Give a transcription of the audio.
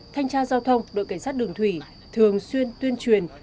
thanh tra giao thông đội cảnh sát đường thủy thường xuyên tuyên truyền